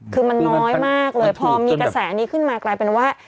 คือมันน้อยมากเลยพอมีกระแสนี้ขึ้นมากลายเป็นว่า